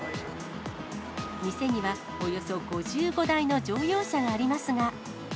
店にはおよそ５５台の乗用車がありますが。